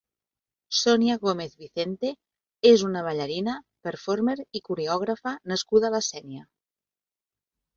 Sonia Gómez Vicente és una ballarina, performer i coreògrafa nascuda a la Sénia.